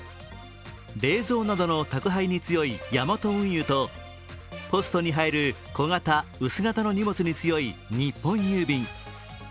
冷蔵などの宅配に強いヤマト運輸とポストに入る小型・薄型の荷物に強い日本郵便。